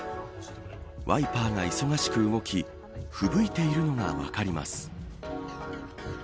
ワイパーが忙しく動きふぶいているのが分かります。